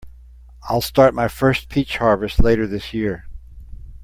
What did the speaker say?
I'll start my first peach harvest later this year.